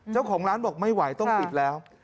เจ้าของร้านบอกไม่ไหวต้องปิดแล้ว